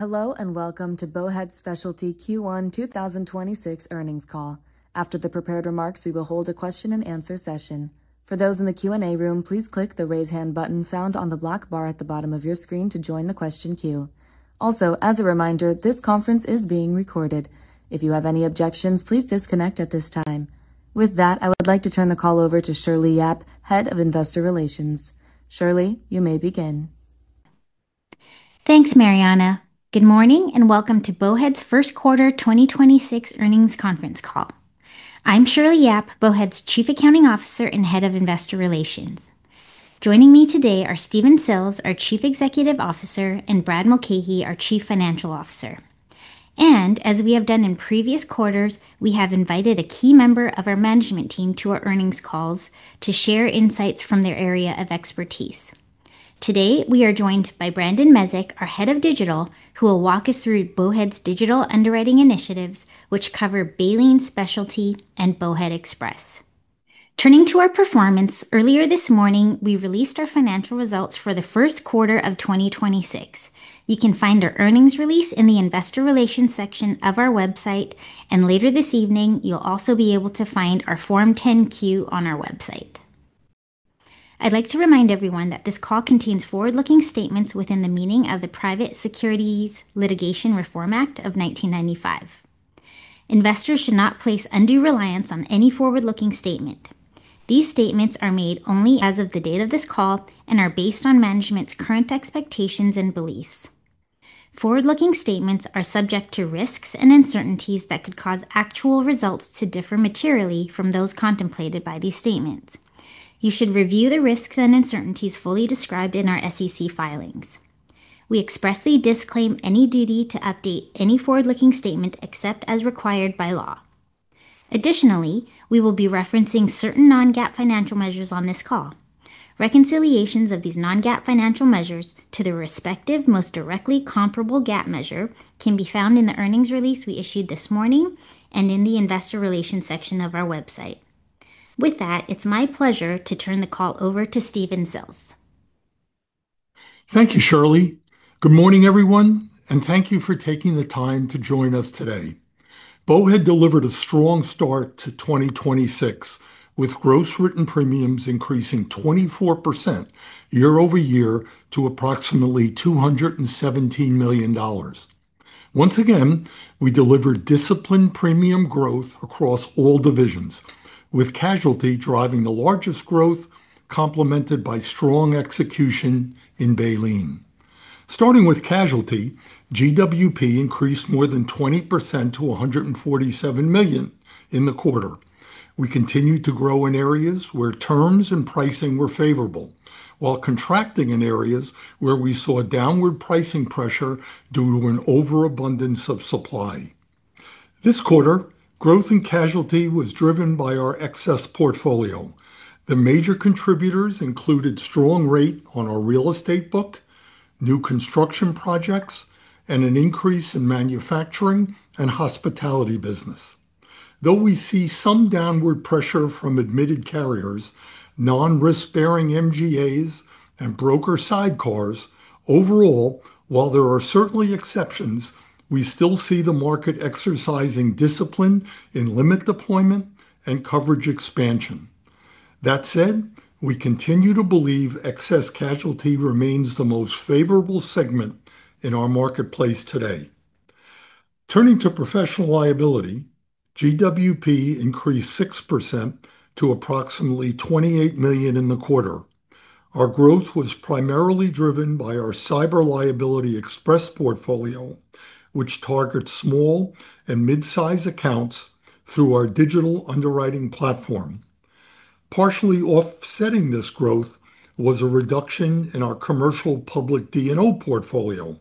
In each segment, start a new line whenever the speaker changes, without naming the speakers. Hello and welcome to Bowhead Specialty Q1 2026 earnings call. After the prepared remarks, we will hold a question-and-answer session. For those in the Q&A room, please click the Raise Hand button found on the black bar at the bottom of your screen to join the question queue. As a reminder, this conference is being recorded. If you have any objections, please disconnect at this time. With that, I would like to turn the call over to Shirley Yap, Head of Investor Relations. Shirley, you may begin.
Thanks, Mariana. Good morning, and welcome to Bowhead's first quarter 2026 earnings conference call. I'm Shirley Yap, Bowhead's Chief Accounting Officer and Head of Investor Relations. Joining me today are Stephen Sills, our Chief Executive Officer; and Brad Mulcahey, our Chief Financial Officer. As we have done in previous quarters, we have invited a key member of our management team to our earnings calls to share insights from their area of expertise. Today, we are joined by Brandon Mezick, our Head of Digital, who will walk us through Bowhead's digital underwriting initiatives which cover Baleen Specialty and Bowhead Express. Turning to our performance, earlier this morning, we released our financial results for the first quarter of 2026. You can find our earnings release in the Investor Relations section of our website, and later this evening, you'll also be able to find our Form 10-Q on our website. I'd like to remind everyone that this call contains forward-looking statements within the meaning of the Private Securities Litigation Reform Act of 1995. Investors should not place undue reliance on any forward-looking statement. These statements are made only as of the date of this call and are based on management's current expectations and beliefs. Forward-looking statements are subject to risks and uncertainties that could cause actual results to differ materially from those contemplated by these statements. You should review the risks and uncertainties fully described in our SEC filings. We expressly disclaim any duty to update any forward-looking statement except as required by law. Additionally, we will be referencing certain non-GAAP financial measures on this call. Reconciliations of these non-GAAP financial measures to their respective most directly comparable GAAP measure can be found in the earnings release we issued this morning and in the Investor Relations section of our website. With that, it's my pleasure to turn the call over to Stephen Sills.
Thank you, Shirley. Good morning, everyone, and thank you for taking the time to join us today. Bowhead delivered a strong start to 2026, with gross written premiums increasing 24% year-over-year to approximately $217 million. Once again, we delivered disciplined premium growth across all divisions, with Casualty driving the largest growth, complemented by strong execution in Baleen. Starting with Casualty, GWP increased more than 20% to $147 million in the quarter. We continued to grow in areas where terms and pricing were favorable while contracting in areas where we saw downward pricing pressure due to an overabundance of supply. This quarter, growth in Casualty was driven by our Excess portfolio. The major contributors included strong rate on our real estate book, new construction projects, and an increase in manufacturing and hospitality business. Though we see some downward pressure from admitted carriers, non-risk-bearing MGAs, and broker sidecars, overall, while there are certainly exceptions, we still see the market exercising discipline in limit deployment and coverage expansion. That said, we continue to believe Excess Casualty remains the most favorable segment in our marketplace today. Turning to Professional Liability, GWP increased 6% to approximately $28 million in the quarter. Our growth was primarily driven by our Cyber Liability Express portfolio, which targets small and mid-size accounts through our digital underwriting platform. Partially offsetting this growth was a reduction in our commercial public D&O portfolio,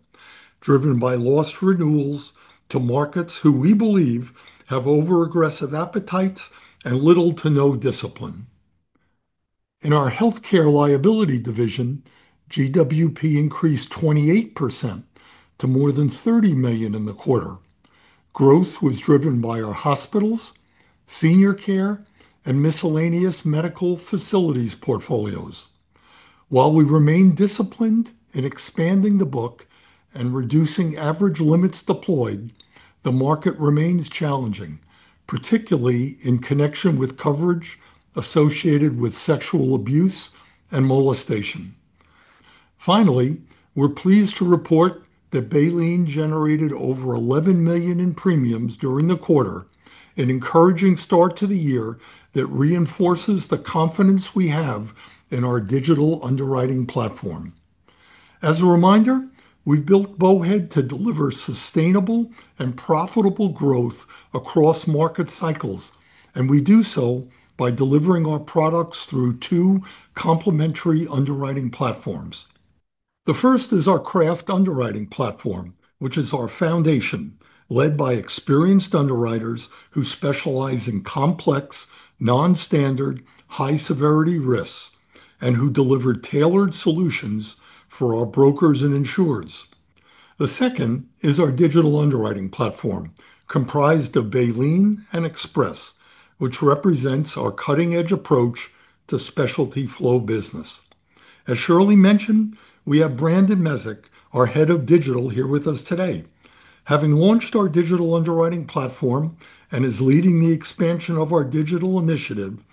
driven by lost renewals to markets who we believe have overaggressive appetites and little to no discipline. In our Healthcare Liability division, GWP increased 28% to more than $30 million in the quarter. Growth was driven by our hospitals, senior care, and miscellaneous medical facilities portfolios. While we remain disciplined in expanding the book and reducing average limits deployed, the market remains challenging, particularly in connection with coverage associated with sexual abuse and molestation. Finally, we're pleased to report that Baleen generated over $11 million in premiums during the quarter, an encouraging start to the year that reinforces the confidence we have in our digital underwriting platform. As a reminder, we built Bowhead to deliver sustainable and profitable growth across market cycles, and we do so by delivering our products through two complementary underwriting platforms. The first is our craft underwriting platform, which is our foundation, led by experienced underwriters who specialize in complex, non-standard, high-severity risks and who deliver tailored solutions for our brokers and insurers. The second is our digital underwriting platform comprised of Baleen and Express, which represents our cutting-edge approach to specialty flow business. As Shirley mentioned, we have Brandon Mezick, our Head of Digital, here with us today. Having launched our digital underwriting platform and is leading the expansion of our digital initiative,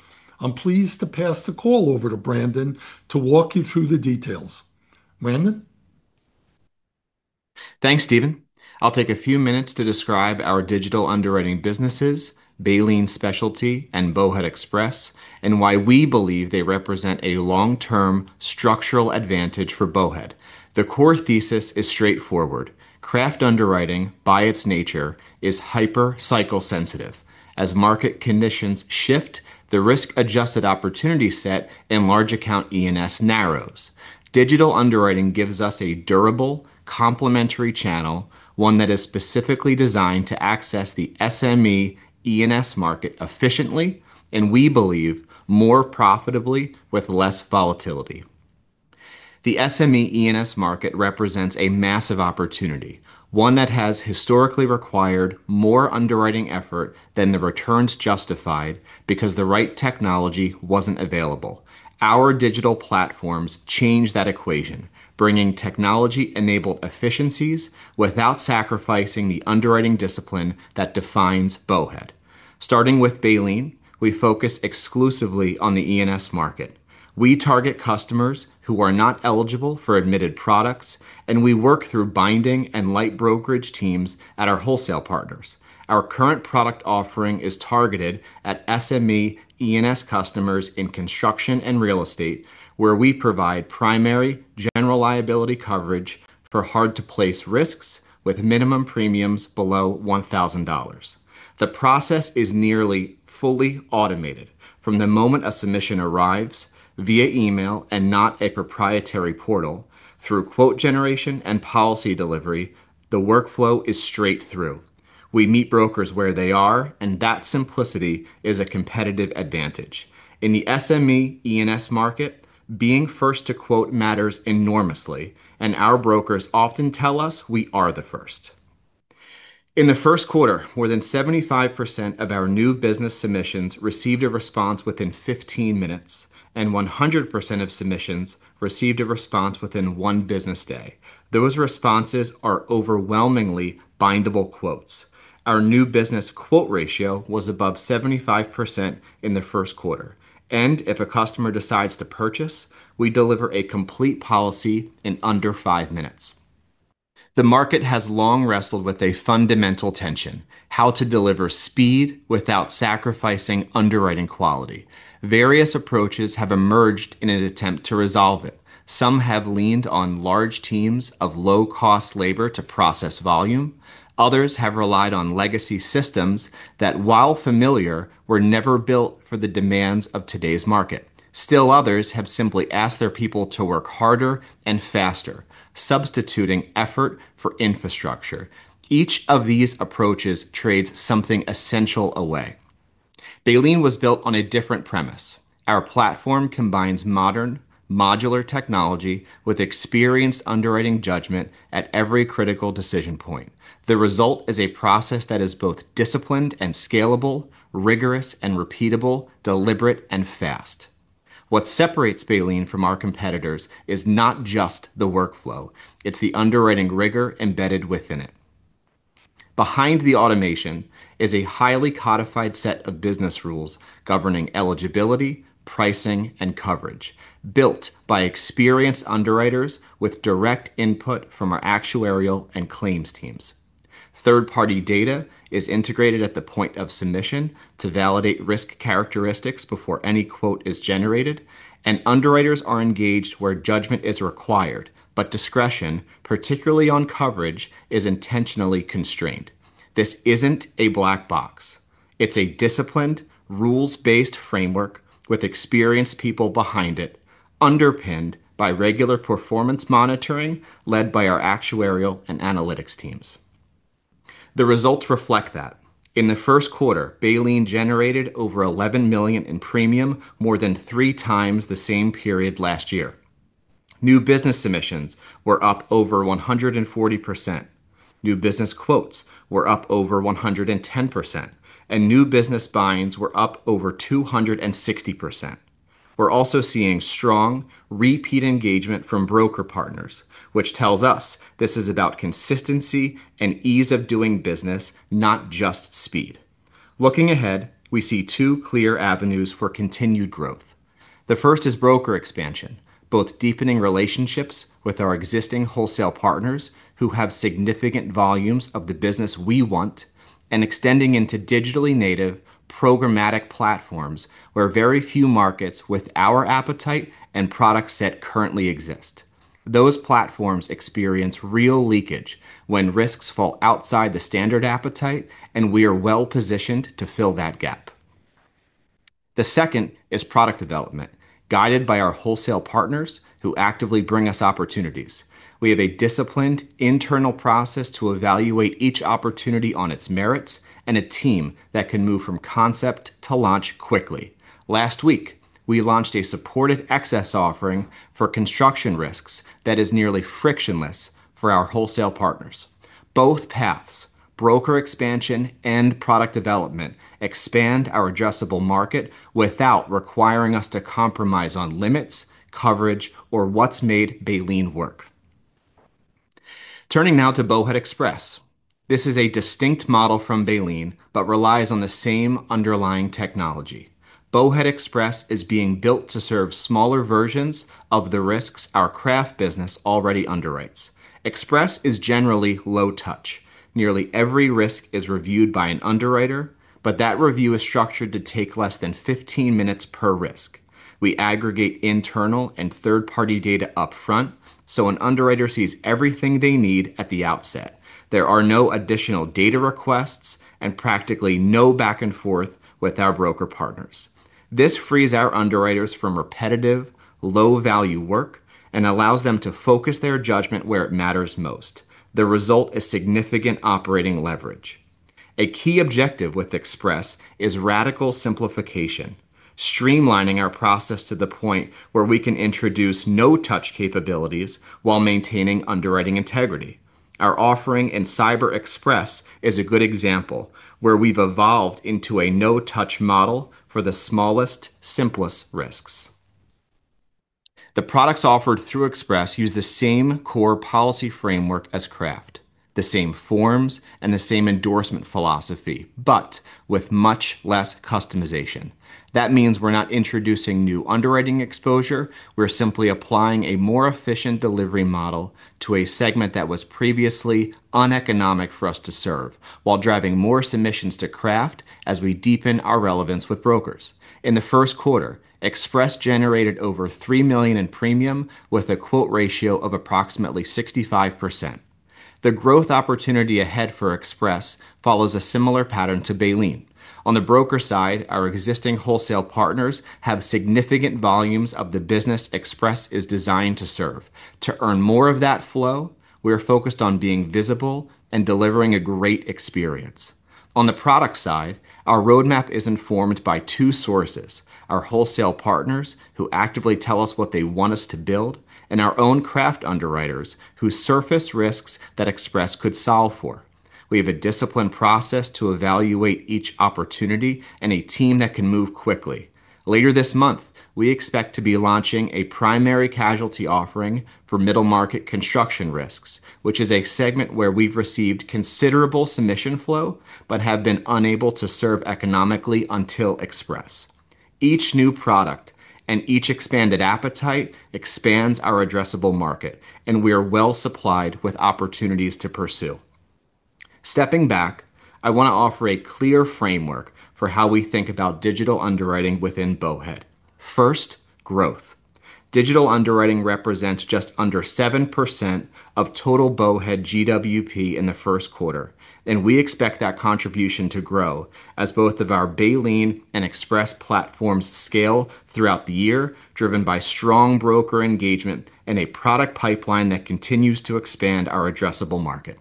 I'm pleased to pass the call over to Brandon to walk you through the details. Brandon?
Thanks, Stephen. I'll take a few minutes to describe our digital underwriting businesses, Baleen Specialty and Bowhead Express, and why we believe they represent a long-term structural advantage for Bowhead. The core thesis is straightforward. Craft underwriting, by its nature, is hyper cycle sensitive. As market conditions shift, the risk-adjusted opportunity set in large account E&S narrows. Digital underwriting gives us a durable, complementary channel, one that is specifically designed to access the SME E&S market efficiently and, we believe, more profitably with less volatility. The SME E&S market represents a massive opportunity, one that has historically required more underwriting effort than the returns justified because the right technology wasn't available. Our digital platforms change that equation, bringing technology-enabled efficiencies without sacrificing the underwriting discipline that defines Bowhead. Starting with Baleen, we focus exclusively on the E&S market. We target customers who are not eligible for admitted products, and we work through binding and light brokerage teams at our wholesale partners. Our current product offering is targeted at SME E&S customers in construction and real estate, where we provide primary general liability coverage for hard-to-place risks with minimum premiums below $1,000. The process is nearly fully automated. From the moment a submission arrives via email and not a proprietary portal through quote generation and policy delivery, the workflow is straight through. We meet brokers where they are, and that simplicity is a competitive advantage. In the SME E&S market, being first to quote matters enormously, and our brokers often tell us we are the first. In the first quarter, more than 75% of our new business submissions received a response within 15-minutes, and 100% of submissions received a response within one business day. Those responses are overwhelmingly bindable quotes. Our new business quote ratio was above 75% in the first quarter. If a customer decides to purchase, we deliver a complete policy in under five minutes. The market has long wrestled with a fundamental tension: How to deliver speed without sacrificing underwriting quality. Various approaches have emerged in an attempt to resolve it. Some have leaned on large teams of low-cost labor to process volume. Others have relied on legacy systems that, while familiar, were never built for the demands of today's market. Still others have simply asked their people to work harder and faster, substituting effort for infrastructure. Each of these approaches trades something essential away. Baleen was built on a different premise. Our platform combines modern modular technology with experienced underwriting judgment at every critical decision point. The result is a process that is both disciplined and scalable, rigorous and repeatable, deliberate and fast. What separates Baleen from our competitors is not just the workflow. It's the underwriting rigor embedded within it. Behind the automation is a highly codified set of business rules governing eligibility, pricing, and coverage built by experienced underwriters with direct input from our actuarial and claims teams. Third-party data is integrated at the point of submission to validate risk characteristics before any quote is generated, and underwriters are engaged where judgment is required, but discretion, particularly on coverage, is intentionally constrained. This isn't a black box. It's a disciplined, rules-based framework with experienced people behind it, underpinned by regular performance monitoring led by our actuarial and analytics teams. The results reflect that. In the first quarter, Baleen generated over $11 million in premium, more than 3x the same period last year. New business submissions were up over 140%. New business quotes were up over 110%, and new business binds were up over 260%. We're also seeing strong repeat engagement from broker partners, which tells us this is about consistency and ease of doing business, not just speed. Looking ahead, we see two clear avenues for continued growth. The first is broker expansion, both deepening relationships with our existing wholesale partners who have significant volumes of the business we want and extending into digitally native programmatic platforms where very few markets with our appetite and product set currently exist. Those platforms experience real leakage when risks fall outside the standard appetite, and we are well-positioned to fill that gap. The second is product development, guided by our wholesale partners who actively bring us opportunities. We have a disciplined internal process to evaluate each opportunity on its merits and a team that can move from concept to launch quickly. Last week, we launched a supported Excess offering for construction risks that is nearly frictionless for our wholesale partners. Both paths, broker expansion and product development, expand our addressable market without requiring us to compromise on limits, coverage, or what's made Baleen work. Turning now to Bowhead Express. This is a distinct model from Baleen, but relies on the same underlying technology. Bowhead Express is being built to serve smaller versions of the risks our craft business already underwrites. Express is generally low touch. Nearly every risk is reviewed by an underwriter, but that review is structured to take less than 15-minutes per risk. We aggregate internal and third-party data upfront, so an underwriter sees everything they need at the outset. There are no additional data requests and practically no back and forth with our broker partners. This frees our underwriters from repetitive, low-value work and allows them to focus their judgment where it matters most. The result is significant operating leverage. A key objective with Express is radical simplification, streamlining our process to the point where we can introduce no-touch capabilities while maintaining underwriting integrity. Our offering in Cyber Express is a good example, where we've evolved into a no-touch model for the smallest, simplest risks. The products offered through Express use the same core policy framework as Craft, the same forms and the same endorsement philosophy, but with much less customization. That means we're not introducing new underwriting exposure. We're simply applying a more efficient delivery model to a segment that was previously uneconomic for us to serve while driving more submissions to craft as we deepen our relevance with brokers. In the first quarter, Express generated over $3 million in premium with a quote ratio of approximately 65%. The growth opportunity ahead for Express follows a similar pattern to Baleen. On the broker side, our existing wholesale partners have significant volumes of the business Express is designed to serve. To earn more of that flow, we are focused on being visible and delivering a great experience. On the product side, our roadmap is informed by two sources: our wholesale partners, who actively tell us what they want us to build, and our own craft underwriters, who surface risks that Express could solve for. We have a disciplined process to evaluate each opportunity and a team that can move quickly. Later this month, we expect to be launching a primary Casualty offering for middle market construction risks, which is a segment where we've received considerable submission flow but have been unable to serve economically until Express. Each new product and each expanded appetite expands our addressable market, and we are well-supplied with opportunities to pursue. Stepping back, I want to offer a clear framework for how we think about digital underwriting within Bowhead. First, growth. Digital underwriting represents just under 7% of total Bowhead GWP in the first quarter, and we expect that contribution to grow as both of our Baleen and Express platforms scale throughout the year, driven by strong broker engagement and a product pipeline that continues to expand our addressable market.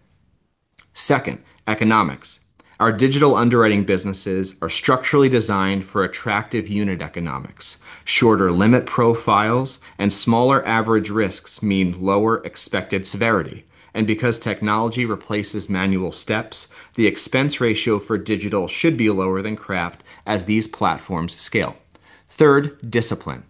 Second, economics. Our digital underwriting businesses are structurally designed for attractive unit economics. Shorter limit profiles and smaller average risks mean lower expected severity. Because technology replaces manual steps, the expense ratio for digital should be lower than craft as these platforms scale. Third, discipline.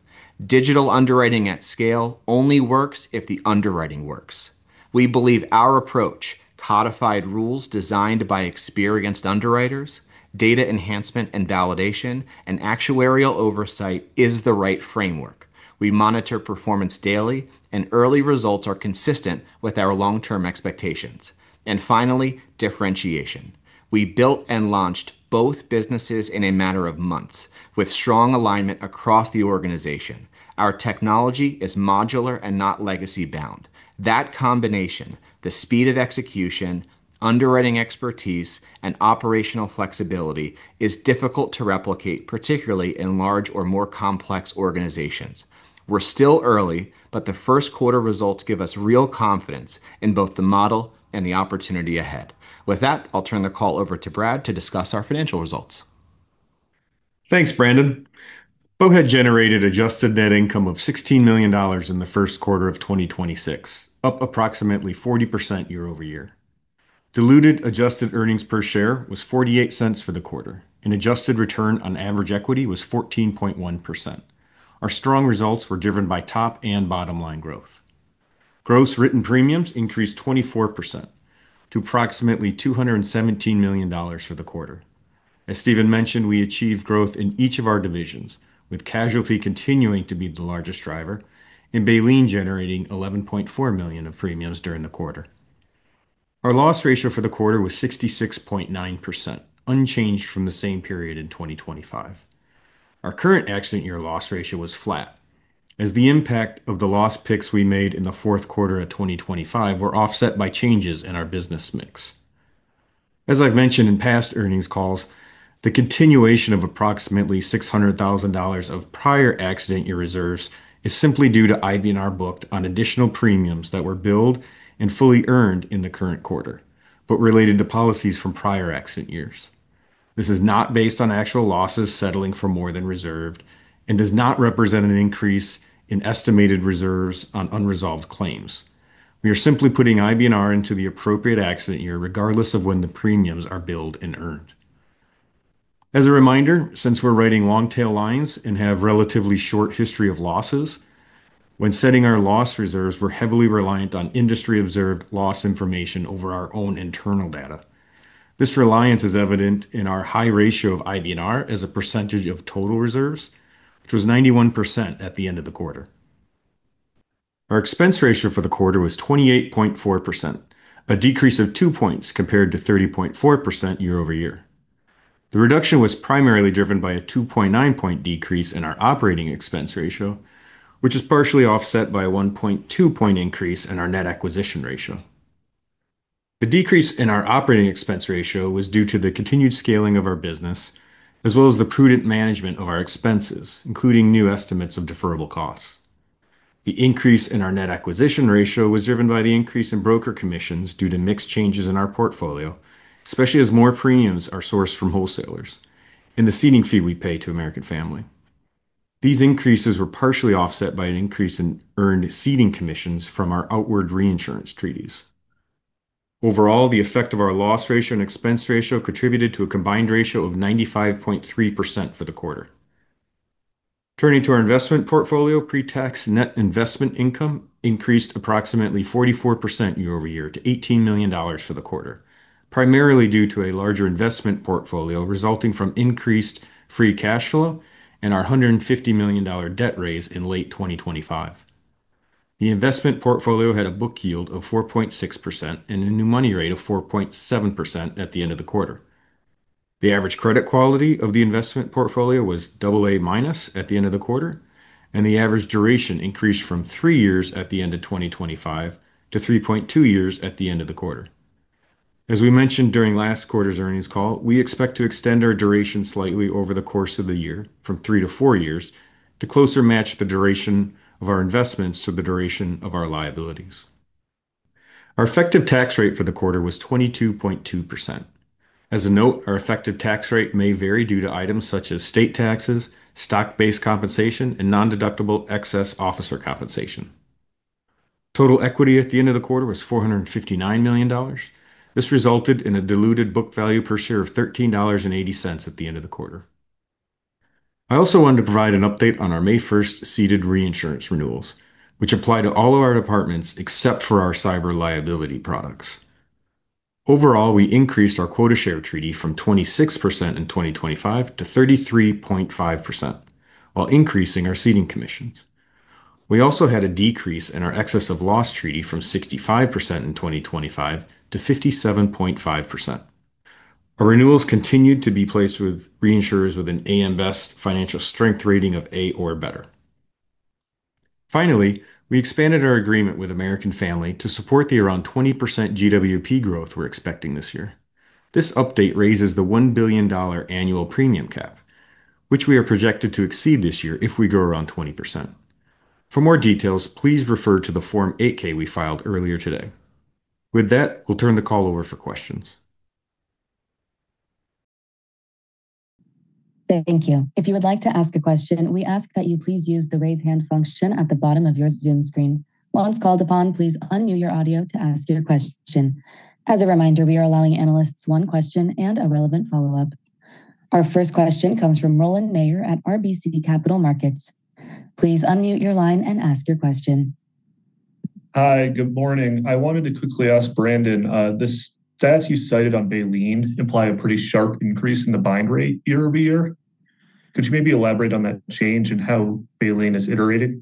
Digital underwriting at scale only works if the underwriting works. We believe our approach, codified rules designed by experienced underwriters, data enhancement and validation, and actuarial oversight is the right framework. We monitor performance daily, and early results are consistent with our long-term expectations. Finally, differentiation. We built and launched both businesses in a matter of months with strong alignment across the organization. Our technology is modular and not legacy-bound. That combination, the speed of execution, underwriting expertise, and operational flexibility is difficult to replicate, particularly in large or more complex organizations. We're still early, but the first quarter results give us real confidence in both the model and the opportunity ahead. With that, I'll turn the call over to Brad to discuss our financial results.
Thanks, Brandon. Bowhead generated adjusted net income of $16 million in the first quarter of 2026, up approximately 40% year-over-year. Diluted adjusted earnings per share was $0.48 for the quarter, and adjusted return on average equity was 14.1%. Our strong results were driven by top and bottom line growth. Gross written premiums increased 24% to approximately $217 million for the quarter. As Stephen mentioned, we achieved growth in each of our divisions, with Casualty continuing to be the largest driver and Baleen generating $11.4 million of premiums during the quarter. Our loss ratio for the quarter was 66.9%, unchanged from the same period in 2025. Our current accident year loss ratio was flat as the impact of the loss picks we made in the fourth quarter of 2025 were offset by changes in our business mix. As I've mentioned in past earnings calls, the continuation of approximately $600,000 of prior accident year reserves is simply due to IBNR booked on additional premiums that were billed and fully earned in the current quarter, but related to policies from prior accident years. This is not based on actual losses settling for more than reserved and does not represent an increase in estimated reserves on unresolved claims. We are simply putting IBNR into the appropriate accident year, regardless of when the premiums are billed and earned. As a reminder, since we're writing long tail lines and have relatively short history of losses, when setting our loss reserves, we're heavily reliant on industry observed loss information over our own internal data. This reliance is evident in our high ratio of IBNR as a percentage of total reserves, which was 91% at the end of the quarter. Our expense ratio for the quarter was 28.4%, a decrease of 2 points compared to 30.4% year-over-year. The reduction was primarily driven by a 2.9 point decrease in our operating expense ratio, which is partially offset by a 1.2 point increase in our net acquisition ratio. The decrease in our operating expense ratio was due to the continued scaling of our business, as well as the prudent management of our expenses, including new estimates of deferrable costs. The increase in our net acquisition ratio was driven by the increase in broker commissions due to mixed changes in our portfolio, especially as more premiums are sourced from wholesalers and the ceding fee we pay to American Family. These increases were partially offset by an increase in earned ceding commissions from our outward reinsurance treaties. Overall, the effect of our loss ratio and expense ratio contributed to a combined ratio of 95.3% for the quarter. Turning to our investment portfolio, pre-tax net investment income increased approximately 44% year-over-year to $18 million for the quarter, primarily due to a larger investment portfolio resulting from increased free cash flow and our $150 million debt raise in late 2025. The investment portfolio had a book yield of 4.6% and a new money rate of 4.7% at the end of the quarter. The average credit quality of the investment portfolio was AA- at the end of the quarter, and the average duration increased from three years at the end of 2025 to 3.2 years at the end of the quarter. As we mentioned during last quarter's earnings call, we expect to extend our duration slightly over the course of the year from three to four years to closer match the duration of our investments to the duration of our liabilities. Our effective tax rate for the quarter was 22.2%. As a note, our effective tax rate may vary due to items such as state taxes, stock-based compensation, and nondeductible excess officer compensation. Total equity at the end of the quarter was $459 million. This resulted in a diluted book value per share of $13.80 at the end of the quarter. I also wanted to provide an update on our May 1st ceded reinsurance renewals, which apply to all of our departments except for our Cyber Liability products. Overall, we increased our quota share treaty from 26% in 2025 to 33.5% while increasing our ceding commissions. We also had a decrease in our excess of loss treaty from 65% in 2025 to 57.5%. Our renewals continued to be placed with reinsurers with an AM Best financial strength rating of A or better. Finally, we expanded our agreement with American Family to support the around 20% GWP growth we're expecting this year. This update raises the $1 billion annual premium cap, which we are projected to exceed this year if we grow around 20%. For more details, please refer to the Form 8-K we filed earlier today. With that, we'll turn the call over for questions.
Thank you. If you would like to ask a question, we ask that you please use the raise hand function at the bottom of your Zoom screen. Once called upon, please unmute your audio to ask your question. As a reminder, we are allowing analysts one question and a relevant follow-up. Our first question comes from Ronald Mayer at RBC Capital Markets. Please unmute your line and ask your question.
Hi. Good morning. I wanted to quickly ask Brandon, the stats you cited on Baleen imply a pretty sharp increase in the bind rate year-over-year. Could you maybe elaborate on that change and how Baleen has iterated?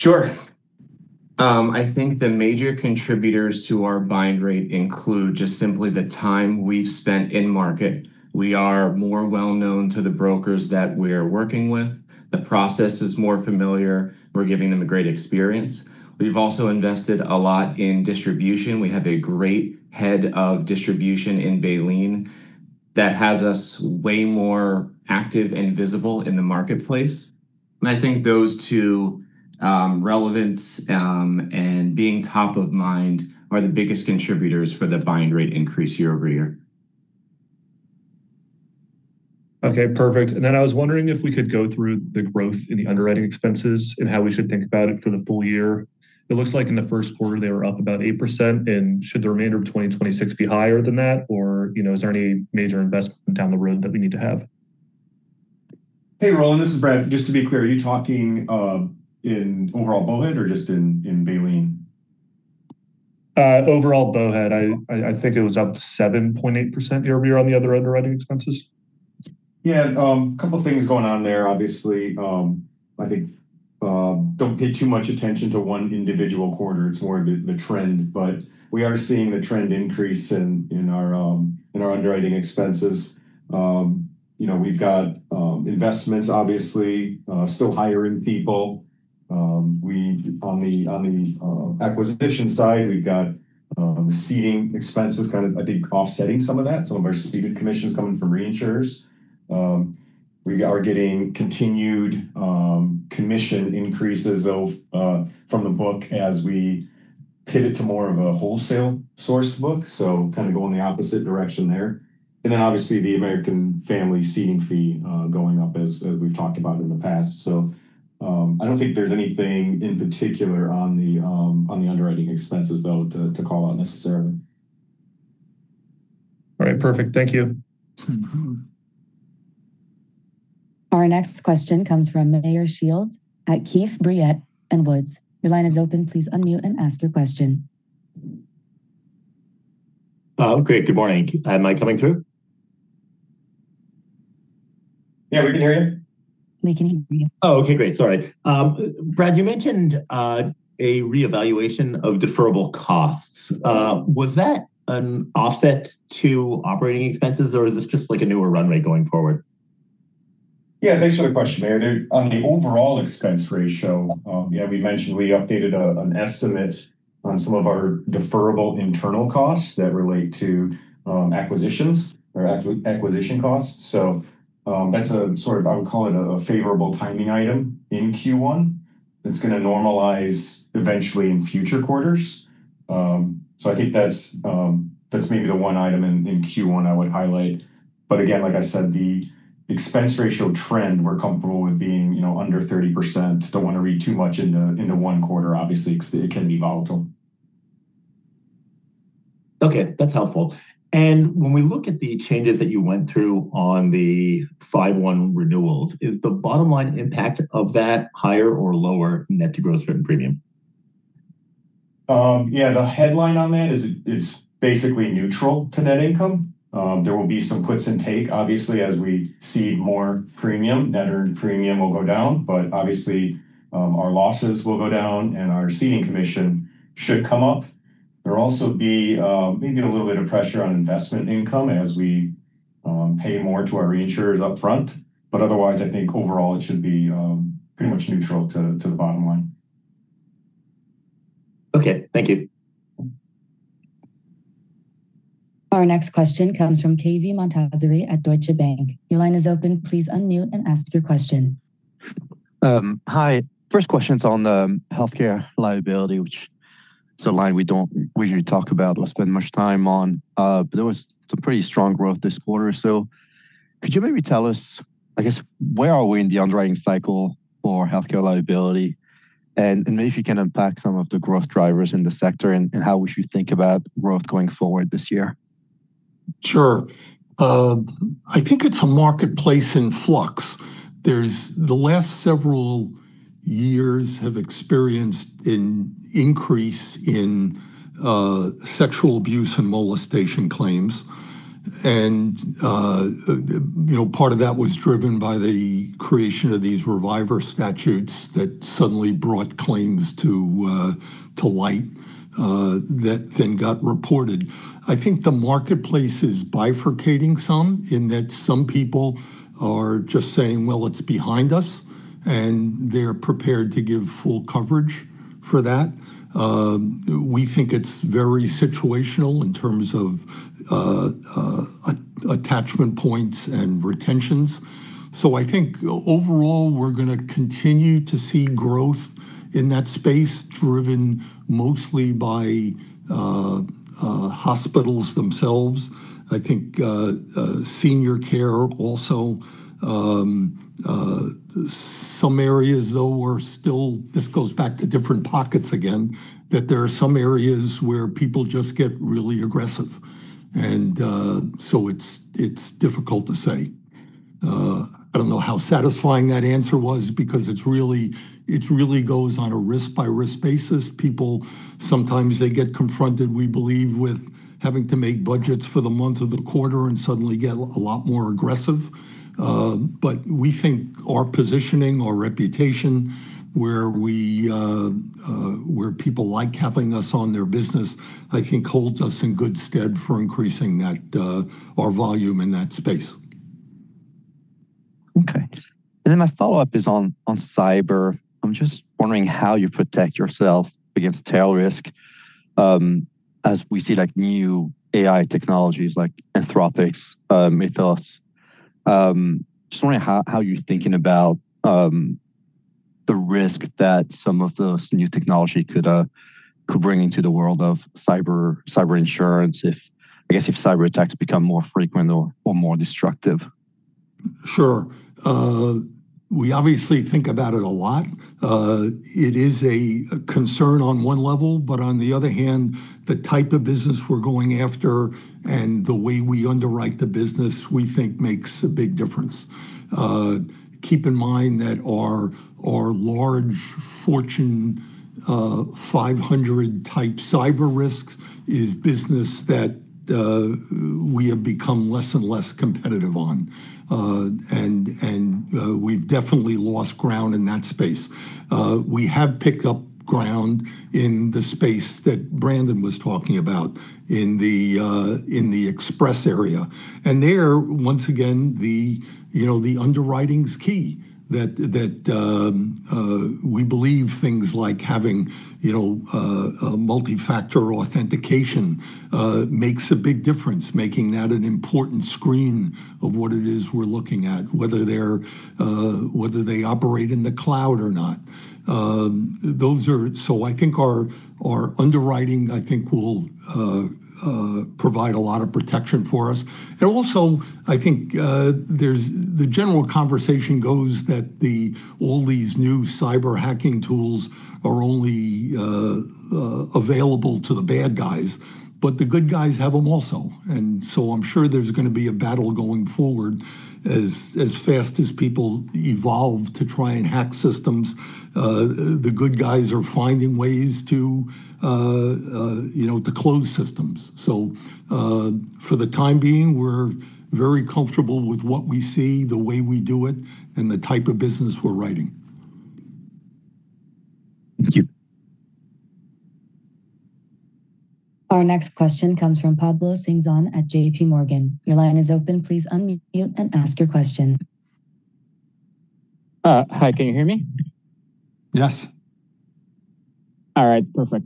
Sure. I think the major contributors to our bind rate include just simply the time we've spent in market. We are more well known to the brokers that we're working with. The process is more familiar. We're giving them a great experience. We've also invested a lot in distribution. We have a great head of distribution in Baleen that has us way more active and visible in the marketplace. I think those two, relevance, and being top of mind are the biggest contributors for the bind rate increase year-over-year.
Okay. Perfect. Then I was wondering if we could go through the growth in the underwriting expenses and how we should think about it for the full year. It looks like in the first quarter, they were up about 8%. Should the remainder of 2026 be higher than that? Or, you know, is there any major investment down the road that we need to have?
Hey, Ronald, this is Brad. Just to be clear, are you talking in overall Bowhead or just in Baleen?
Overall Bowhead, I think it was up 7.8% year-over-year on the other underwriting expenses.
A couple of things going on there. Obviously, I think, don't pay too much attention to one individual quarter. It's more of the trend. We are seeing the trend increase in our, in our underwriting expenses. You know, we've got investments obviously, still hiring people. On the, on the acquisition side, we've got ceding expenses kind of I think offsetting some of that, some of our ceded commissions coming from reinsurers. We are getting continued commission increases of from the book as we pivot to more of a wholesale sourced book. Kind of going the opposite direction there. Obviously the American Family ceding fee going up as we've talked about in the past. I don't think there's anything in particular on the, on the underwriting expenses though to call out necessarily.
All right. Perfect. Thank you.
Our next question comes from Meyer Shields at Keefe, Bruyette & Woods. Your line is open. Please unmute and ask your question.
Great. Good morning. Am I coming through?
Yeah, we can hear you.
We can hear you.
Oh, okay, great. Sorry. Brad, you mentioned a reevaluation of deferrable costs. Was that an offset to operating expenses, or is this just like a newer runway going forward?
Thanks for the question, Meyer. On the overall expense ratio, we mentioned we updated an estimate on some of our deferrable internal costs that relate to acquisition costs. That's a sort of I would call it a favorable timing item in Q1 that's gonna normalize eventually in future quarters. I think that's maybe the one item in Q1 I would highlight. Again, like I said, the expense ratio trend we're comfortable with being, you know, under 30%. Don't wanna read too much into one quarter. Obviously, it can be volatile.
Okay, that's helpful. When we look at the changes that you went through on the 5/1 renewals, is the bottom line impact of that higher or lower net to gross written premium?
The headline on that is it's basically neutral to net income. There will be some puts and take as we cede more premium. Net earned premium will go down, our losses will go down, and our ceding commission should come up. There'll also be maybe a little bit of pressure on investment income as we pay more to our reinsurers upfront. I think overall it should be pretty much neutral to the bottom line.
Okay. Thank you.
Our next question comes from Cave Montazeri at Deutsche Bank. Your line is open. Please unmute and ask your question.
Hi. First question's on Healthcare Liability, which is a line we don't usually talk about or spend much time on. There was some pretty strong growth this quarter. Could you maybe tell us, I guess, where are we in the underwriting cycle for Healthcare Liability? Maybe if you can unpack some of the growth drivers in the sector and how we should think about growth going forward this year?
Sure. I think it's a marketplace in flux. The last several years have experienced an increase in sexual abuse and molestation claims. You know, part of that was driven by the creation of these reviver statutes that suddenly brought claims to light that got reported. I think the marketplace is bifurcating some in that some people are just saying, "Well, it's behind us," and they're prepared to give full coverage for that. We think it's very situational in terms of attachment points and retentions. I think overall, we're gonna continue to see growth in that space driven mostly by hospitals themselves, I think senior care also. Some areas though are still that there are some areas where people just get really aggressive. It's, it's difficult to say. I don't know how satisfying that answer was because it's really, it really goes on a risk-by-risk basis. People, sometimes they get confronted, we believe, with having to make budgets for the month or the quarter and suddenly get a lot more aggressive. We think our positioning, our reputation, where we, where people like having us on their business, I think holds us in good stead for increasing that, our volume in that space.
Okay. My follow-up is on cyber. I'm just wondering how you protect yourself against tail risk, as we see like new AI technologies like Anthropic's Mythos. Just wondering how you're thinking about the risk that some of those new technology could bring into the world of cyber insurance if, I guess, if cyberattacks become more frequent or more destructive.
Sure. We obviously think about it a lot. It is a concern on one level. On the other hand, the type of business we're going after and the way we underwrite the business, we think makes a big difference. Keep in mind that our large Fortune 500 type cyber risks is business that we have become less and less competitive on. We've definitely lost ground in that space. We have picked up ground in the space that Brandon was talking about in the Express area. There, once again, you know, the underwriting's key. That, we believe things like having, you know, a multi-factor authentication makes a big difference, making that an important screen of what it is we're looking at, whether they're whether they operate in the cloud or not. I think our underwriting, I think will provide a lot of protection for us. Also, I think, there's the general conversation goes that the all these new cyber hacking tools are only available to the bad guys, but the good guys have them also. I'm sure there's gonna be a battle going forward as fast as people evolve to try and hack systems, the good guys are finding ways to, you know, to close systems. For the time being, we're very comfortable with what we see, the way we do it, and the type of business we're writing.
Thank you.
Our next question comes from Pablo Singzon at JPMorgan. Your line is open. Please unmute and ask your question.
Hi, can you hear me?
Yes.
All right, perfect.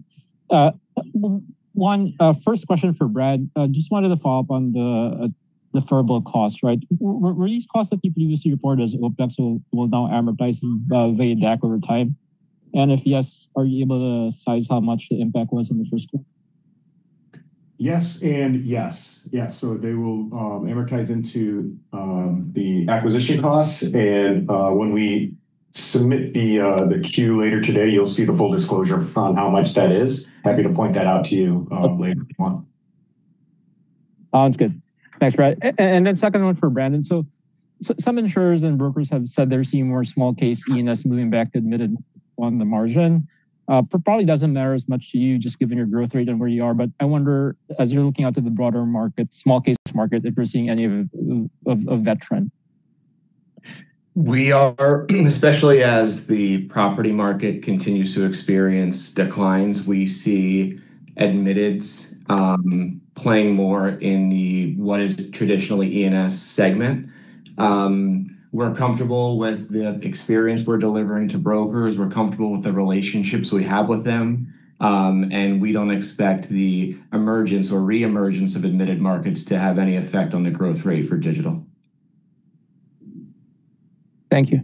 First question for Brad. Just wanted to follow up on the deferrable costs, right? Were these costs that you previously reported as OpEx will now amortize and, decay over time? If yes, are you able to size how much the impact was in the first quarter?
Yes and yes. Yes. They will amortize into the acquisition costs and when we submit the Q later today, you'll see the full disclosure on how much that is. Happy to point that out to you later if you want.
Oh, that's good. Thanks, Brad. Second one for Brandon. Some insurers and brokers have said they're seeing more small case E&S moving back to admitted on the margin. Probably doesn't matter as much to you, just given your growth rate and where you are. I wonder, as you're looking out to the broader market, small case market, if you're seeing any of that trend.
We are especially as the property market continues to experience declines. We see admitteds, playing more in the what is traditionally E&S segment. We're comfortable with the experience we're delivering to brokers. We're comfortable with the relationships we have with them. We don't expect the emergence or reemergence of admitted markets to have any effect on the growth rate for digital.
Thank you.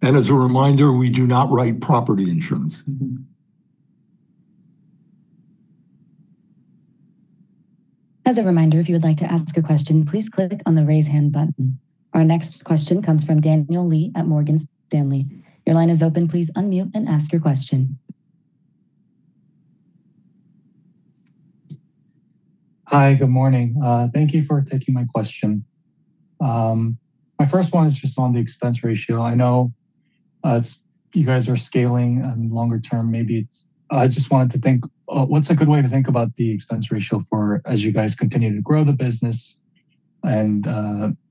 As a reminder, we do not write property insurance.
As a reminder, if you would like to ask a question, please click on the Raise Hand button. Our next question comes from Daniel Lee at Morgan Stanley. Your line is open. Please unmute and ask your question.
Hi. Good morning. Thank you for taking my question. My first one is just on the expense ratio. I know, you guys are scaling and longer term, maybe it's I just wanted to think, what's a good way to think about the expense ratio for as you guys continue to grow the business and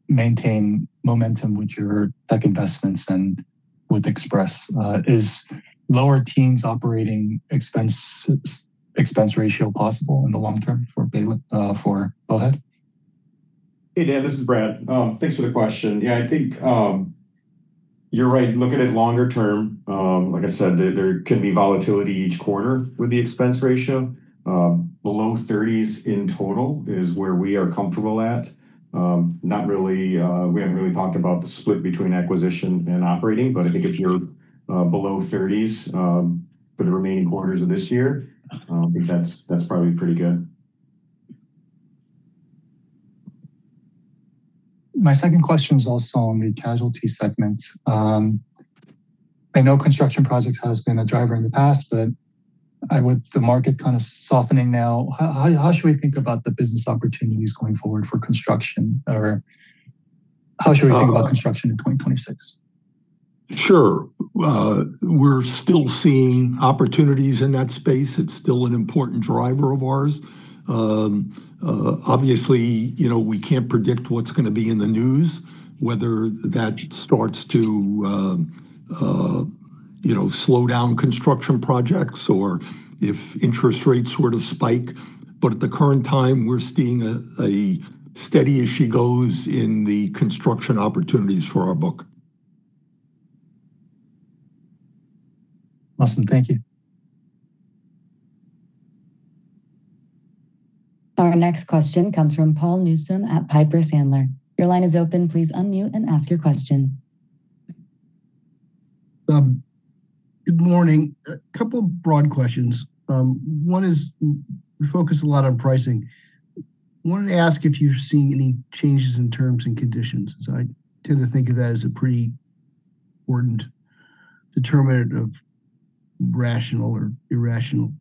maintain momentum with your tech investments and with Express. Is lower teams operating expense ratio possible in the long term for Bowhead?
Hey, Dan, this is Brad. Thanks for the question. Yeah, I think you're right. Look at it longer term. Like I said, there can be volatility each quarter with the expense ratio. Below 30s in total is where we are comfortable at. Not really, we haven't really talked about the split between acquisition and operating, but I think if you're below 30s for the remaining quarters of this year, I think that's probably pretty good.
My second question is also on the Casualty segment. I know construction projects has been a driver in the past, but, with the market kind of softening now, how should we think about the business opportunities going forward for construction? How should we think about construction in 2026?
Sure. We're still seeing opportunities in that space. It's still an important driver of ours. Obviously, you know, we can't predict what's gonna be in the news, whether that starts to, you know, slow down construction projects or if interest rates were to spike. At the current time, we're seeing a steady as she goes in the construction opportunities for our book.
Awesome. Thank you.
Our next question comes from Paul Newsome at Piper Sandler. Your line is open.
Good morning. A couple broad questions. One is we focus a lot on pricing. Wanted to ask if you're seeing any changes in terms and conditions, as I tend to think of that as a pretty important determinant of rational or irrational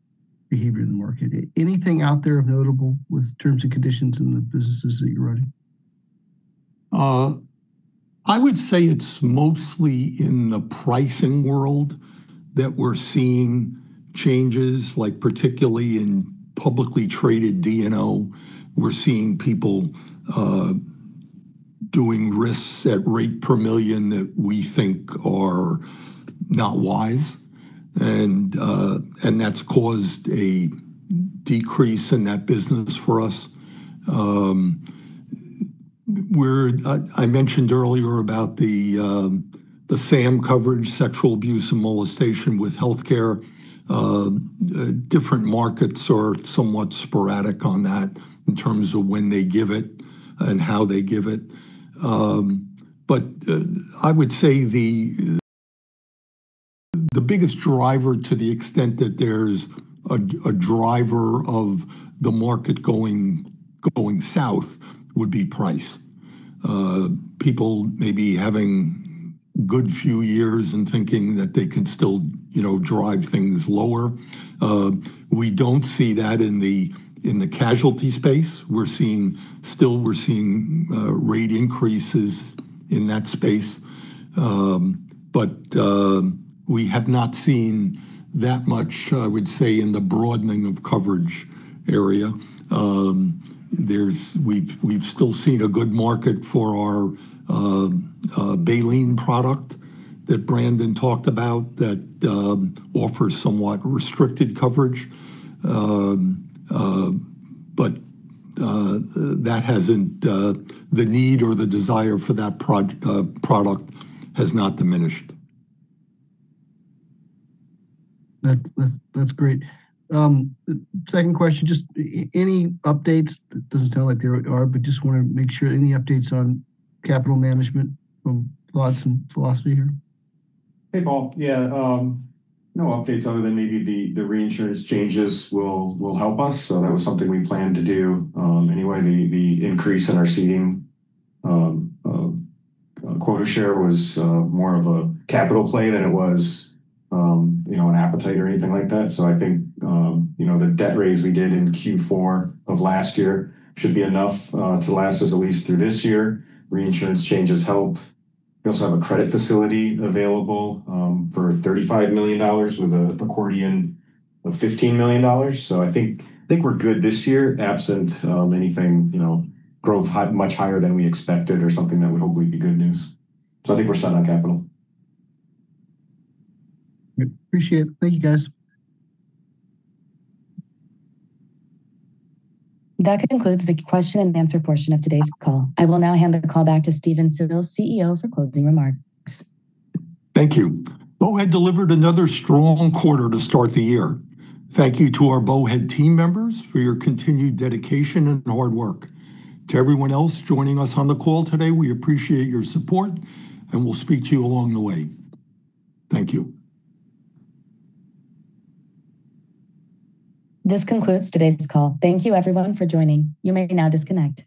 behavior in the market. Anything out there notable with terms and conditions in the businesses that you're running?
I would say it's mostly in the pricing world that we're seeing changes, like particularly in publicly traded D&O. We're seeing people doing risks at rate per million that we think are not wise, and that's caused a decrease in that business for us. I mentioned earlier about the SAM coverage, sexual abuse and molestation with healthcare. Different markets are somewhat sporadic on that in terms of when they give it and how they give it. I would say the biggest driver to the extent that there's a driver of the market going south would be price. People may be having good few years and thinking that they can still, you know, drive things lower. We don't see that in the Casualty space. Still, we're seeing rate increases in that space. We have not seen that much, I would say, in the broadening of coverage area. We've still seen a good market for our Baleen product that Brandon talked about that offers somewhat restricted coverage. That hasn't the need or the desire for that product has not diminished.
That's great. Second question, just any updates? Doesn't sound like there are, but just wanna make sure any updates on capital management thoughts and philosophy here.
Hey, Paul. Yeah, no updates other than maybe the reinsurance changes will help us. That was something we planned to do. Anyway, the increase in our ceding quota share was more of a capital play than it was, you know, an appetite or anything like that. I think, you know, the debt raise we did in Q4 of last year should be enough to last us at least through this year. Reinsurance changes help. We also have a credit facility available for $35 million with an accordion of $15 million. I think we're good this year, absent anything, you know, growth high much higher than we expected or something that would hopefully be good news. I think we're set on capital.
Appreciate it. Thank you, guys.
That concludes the question-and-answer portion of today's call. I will now hand the call back to Stephen Sills, CEO, for closing remarks.
Thank you. Bowhead delivered another strong quarter to start the year. Thank you to our Bowhead team members for your continued dedication and hard work. To everyone else joining us on the call today, we appreciate your support, and we'll speak to you along the way. Thank you.
This concludes today's call. Thank You everyone for joining. You may now disconnect.